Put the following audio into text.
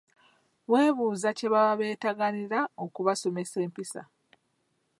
Weebuuza kye baba bateganira okubasomesa empisa.